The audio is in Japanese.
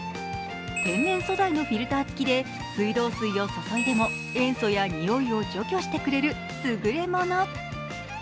天然素材のフィルター付きで水道水を注いでも塩素やにおいを除去してくれるすぐれもの。